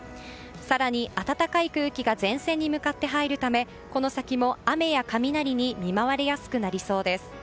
更に暖かい空気が前線に向かって入るためこの先も雨や雷に見舞われやすくなりそうです。